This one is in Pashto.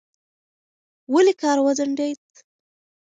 ولې کار وځنډېد؟